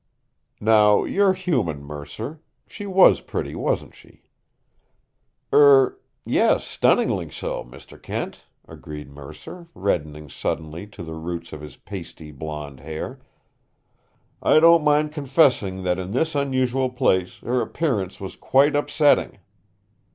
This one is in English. "Now you're human, Mercer. She was pretty, wasn't she?" "Er yes stunningly so, Mr. Kent," agreed Mercer, reddening suddenly to the roots of his pasty, blond hair. "I don't mind confessing that in this unusual place her appearance was quite upsetting."